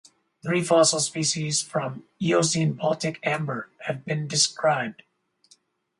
Three fossil species from Eocene Baltic amber have been described.